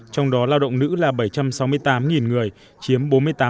trong đó lao động nữ là bảy trăm sáu mươi tám người chiếm bốn mươi tám